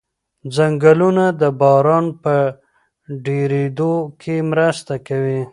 ځنګلونه د باران په ډېرېدو کې مرسته کوي.